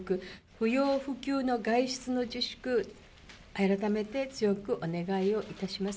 不要不急の外出の自粛、改めて、強くお願いをいたします。